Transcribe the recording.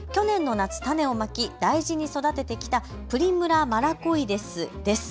去年の夏、種をまき大事に育ててきたプリムラ・マラコイデスです。